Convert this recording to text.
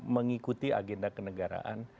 mengikuti agenda kenegaraan